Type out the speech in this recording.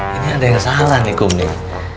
ini ada yang salah nih kum nih